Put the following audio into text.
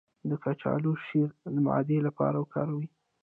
د کچالو شیره د معدې لپاره وکاروئ